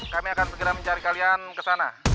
kami akan segera mencari kalian ke sana